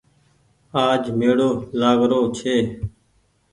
آج ميڙو لآگ رو ڇي۔